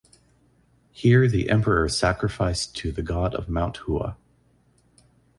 Here the emperor sacrificed to the god of Mount Hua.